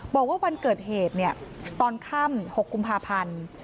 บอกว่าวันเกิดเหตุตอนค่ำ๖กุมภาพันธ์